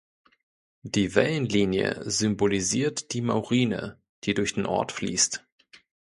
Die Wellenlinie symbolisiert die Maurine, die durch den Ort fließt.